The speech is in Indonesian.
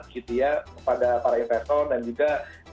kepada para investor dan juga